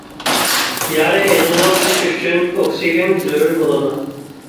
يارا ئېغىزىنىڭ پۈتۈشى ئۈچۈن‹‹ ئوكسىگېن›› زۆرۈر بولىدۇ.